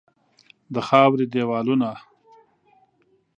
د خاوري دیوالونه